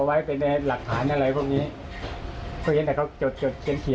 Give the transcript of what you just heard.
ให้โยบมาเข้ามาส่งถึงในห้องในกุฏิ